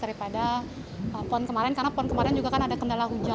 daripada pon kemarin karena pon kemarin juga kan ada kendala hujan